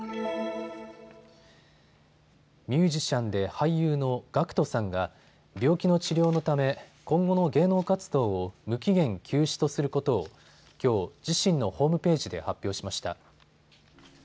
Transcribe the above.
ミュージシャンで俳優のＧＡＣＫＴさんが病気の治療のため今後の芸能活動を無期限休止とすることをきょう、自身のホームページで発表しました。